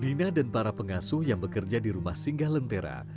dina dan para pengasuh yang bekerja di rumah singgah lentera